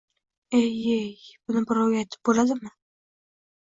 Ey-yey, buni birovga aytib bo‘ladimi?